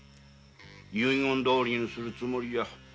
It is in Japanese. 遺言どおりにするつもりじゃ。